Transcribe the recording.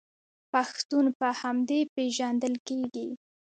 پښتون په همدې پیژندل کیږي.